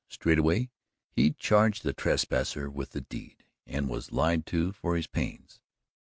Straightway he charged the trespasser with the deed and was lied to for his pains.